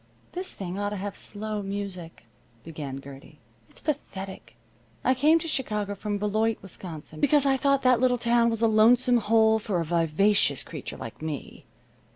"This thing ought to have slow music," began Gertie. "It's pathetic. I came to Chicago from Beloit, Wisconsin, because I thought that little town was a lonesome hole for a vivacious creature like me.